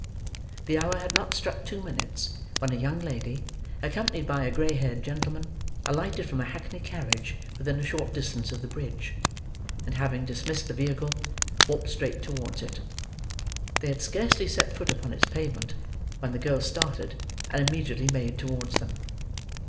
The hour had not struck two minutes, when a young lady, accompanied by a grey haired gentleman, alighted from a hackney carriage within a short distance of the bridge, and, having dismissed the vehicle, walked straight towards it. They had scarcely set foot upon its pavement, when the girl started, and immediately made towards them.